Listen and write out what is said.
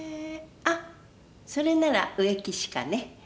あっそれなら植木歯科ね。